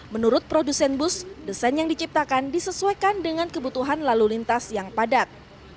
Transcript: menurut produsen bus desain yang diciptakan disesuaikan dengan kebutuhan lalu lintas yang padat